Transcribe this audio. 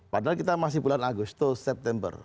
padahal kita masih bulan agustus september